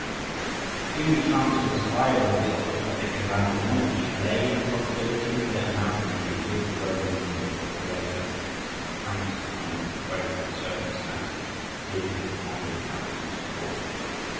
The only chance for the survival of the Ostrogothic and Vandal monarchies lay in the possibility of their amalgamating with the Roman provincial population, as the Franks, under more favourable circumstances, did with the conquered inhabitants of Gaul.